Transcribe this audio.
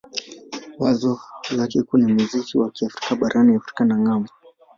Wazo lake kuu ni muziki wa Kiafrika barani Afrika na ng'ambo.